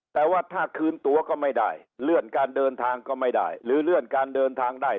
แต่ว่าถ้าคืนตัวก็ไม่ได้เลื่อนการเดินทางก็ไม่ได้หรือเลื่อนการเดินทางได้